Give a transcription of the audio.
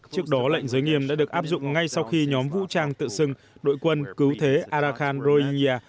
trước đó lệnh giới nghiêm đã được áp dụng ngay sau khi nhóm vũ trang tự xưng đội quân cứu thế arakhan roynia